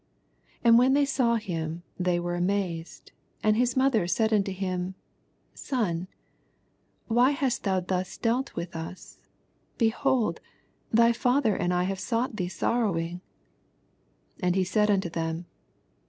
48 And when thev saw him, they were amazed: and his mother said unto him, Son, why hast thou thus dealt with us ? behold, th^r fiither and I have sought thee sorrowing. 49 And ne said unto them.